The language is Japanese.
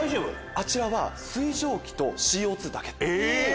あちらは水蒸気とＣＯだけ。